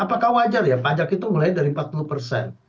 apakah wajar ya pajak itu mulai dari empat puluh persen